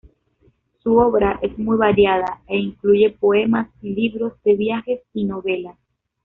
Su obra es muy variada e incluye poemas, libros de viajes y novelas.